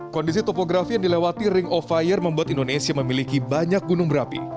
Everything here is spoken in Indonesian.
kondisi topografi yang dilewati ring of fire membuat indonesia memiliki banyak gunung berapi